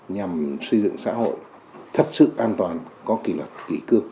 nhằm xây dựng xã hội thật sự an toàn có kỷ lực kỷ cư